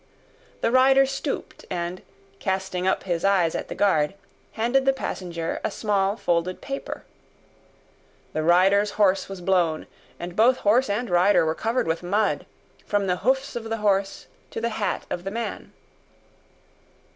The rider stooped, and, casting up his eyes at the guard, handed the passenger a small folded paper. The rider's horse was blown, and both horse and rider were covered with mud, from the hoofs of the horse to the hat of the man.